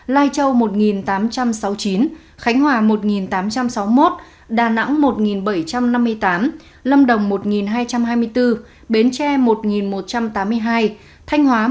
lai châu một tám trăm sáu mươi chín khánh hòa một tám trăm sáu mươi một đà nẵng một bảy trăm năm mươi tám lâm đồng một hai trăm hai mươi bốn bến tre một một trăm tám mươi hai thanh hóa một mươi